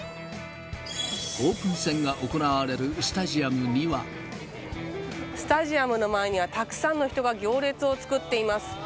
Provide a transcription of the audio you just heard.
オープン戦が行われるスタジアムスタジアムの前には、たくさんの人が行列を作っています。